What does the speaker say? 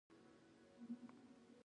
په جمهوريت د بیان ازادي شتون لري.